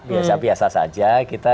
biasa biasa saja kita